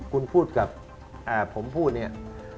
คุณพูดกับผมพูดเนี่ย